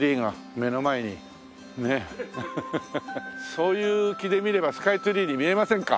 そういう気で見ればスカイツリーに見えませんか？